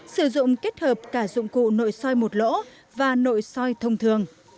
sử dụng kết hợp cả dụng cụ nội soi một lỗ và nội soi thông thường